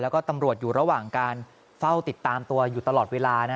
และก็ตำรวจติดตามตัวอยู่ตลอดเวลา